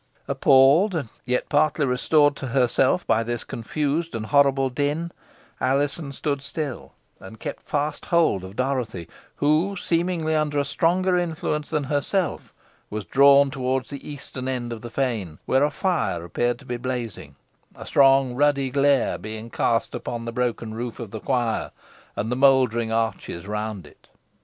Appalled, yet partly restored to herself by this confused and horrible din, Alizon stood still and kept fast hold of Dorothy, who, seemingly under a stronger influence than herself, was drawn towards the eastern end of the fane, where a fire appeared to be blazing, a strong ruddy glare being cast upon the broken roof of the choir, and the mouldering arches around it.